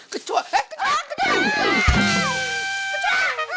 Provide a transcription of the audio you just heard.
kecua eh kecua kecua